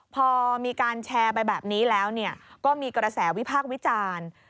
พอมีการแชร์ไปแบบนี้แล้วก็มีกระแสวิพากษ์วิจารณ์